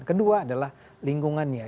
kedua adalah lingkungannya